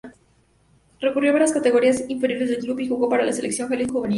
Recorrió varias categorías inferiores del club y jugó para la Selección Jalisco Juvenil.